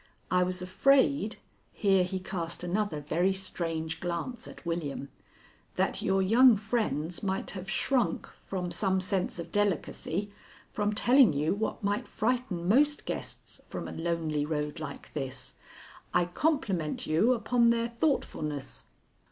"I was afraid" here he cast another very strange glance at William "that your young friends might have shrunk, from some sense of delicacy, from telling you what might frighten most guests from a lonely road like this. I compliment you upon their thoughtfulness."